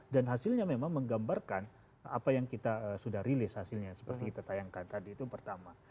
dan hasilnya memang menggambarkan apa yang kita sudah rilis hasilnya seperti kita tayangkan tadi itu pertama